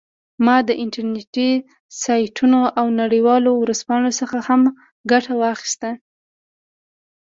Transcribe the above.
ما د انټرنیټي سایټونو او نړیوالو ورځپاڼو څخه هم ګټه واخیسته